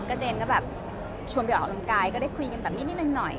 เจนก็แบบชวนไปออกกำลังกายก็ได้คุยกันแบบนิดหน่อย